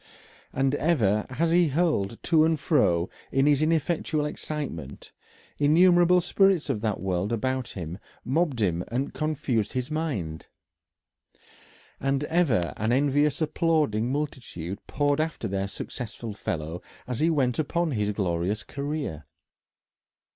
And ever as he hurried to and fro in his ineffectual excitement, innumerable spirits of that world about him mobbed him and confused his mind. And ever an envious applauding multitude poured after their successful fellow as he went upon his glorious career.